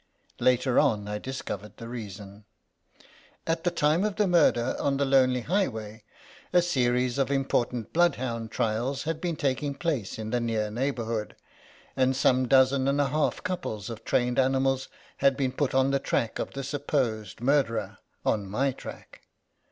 Later on I discovered the reason. At the time of the murder on the lonely highway a series of important bloodhound trials had been taking place in the near neighbourhood, and some dozen and a half couples of trained animals had been put on the track of the supposed murderer — on my track.